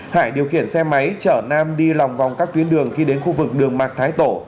hải điều khiển xe máy chở nam đi lòng vòng các tuyến đường khi đến khu vực đường mạc thái tổ